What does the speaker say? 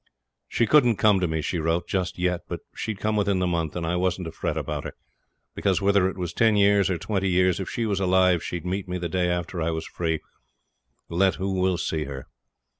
She couldn't come to me, she wrote, just yet, but she'd come within the month, and I wasn't to fret about her, because whether it was ten years or twenty years if she was alive she'd meet me the day after I was free, let who will see her.